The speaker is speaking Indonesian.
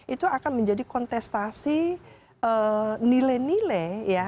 itu akan menjadi kontestasi nilai nilai ya